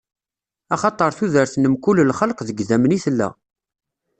Axaṭer tudert n mkul lxelq deg idammen i tella.